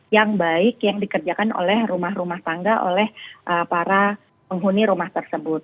yang baik yang dikerjakan oleh rumah rumah tangga oleh para penghuni rumah tersebut